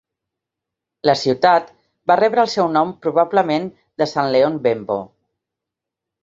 La ciutat va rebre el seu nom probablement de Sant Leon Bembo.